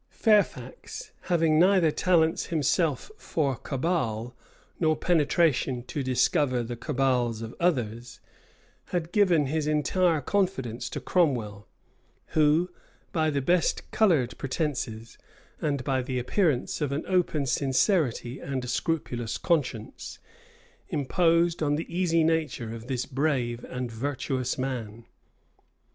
* Clarendon, vol. v. p. 46. Fairfax, having neither talents himself for cabal, nor penetration to discover the cabals of others, had given his entire confidence to Cromwell; who, by the best colored pretences, and by the appearance of an open sincerity and a scrupulous conscience, imposed on the easy nature of this brave and virtuous man.